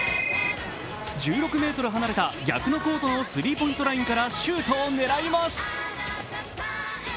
１６ｍ離れた逆のコートのスリーポイントラインからシュートを狙います。